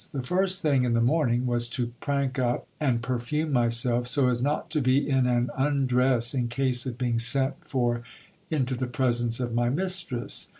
The first thing in the morning was to prank up and perfume myself, so as not to be in an undress in case of being sent for into the presence of my mistress.